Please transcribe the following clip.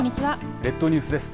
列島ニュースです。